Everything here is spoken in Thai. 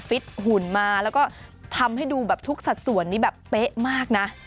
ฟิตหุ่นมาแล้วก็ทำให้ดูแบบทุกสัดส่วนนี้แบบเป๊ะมากนะ